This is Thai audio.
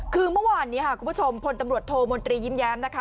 คือเมื่อวานนี้ค่ะคุณผู้ชมพลตำรวจโทมนตรียิ้มแย้มนะคะ